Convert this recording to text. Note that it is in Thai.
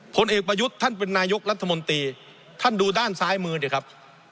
ผลเอกประยุทธ์ท่านเป็นนายกรัฐมนตรีท่านดูด้านซ้ายมือดิครับ